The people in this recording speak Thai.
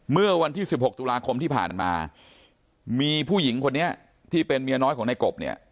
เมื่อวันที่๑๖ตุลาคมที่ผ่านมามีผู้หญิงคนนี้ที่เป็นเมียน้อยของในกบเนี่ย